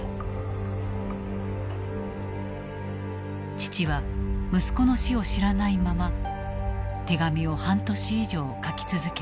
父は息子の死を知らないまま手紙を半年以上書き続けた。